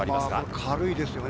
軽いですよね。